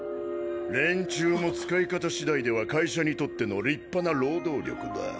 連中も使い方しだいでは会社にとっての立派な労働力だ。